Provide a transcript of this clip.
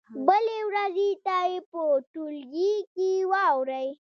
بلې ورځې ته یې په ټولګي کې واورئ.